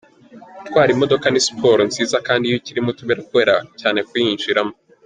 Gutwara imodoka ni siporo nziza, kandi iyo ukiri muto birakorohera cyane kuyinjiramo.”